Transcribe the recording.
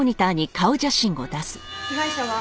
被害者は。